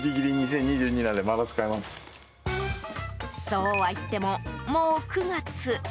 そうは言っても、もう９月。